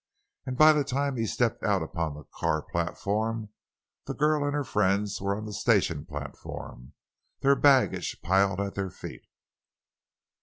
And by the time he stepped out upon the car platform the girl and her friends were on the station platform, their baggage piled at their feet.